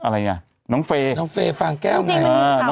พวกเขาคุยกันอยู่ไหม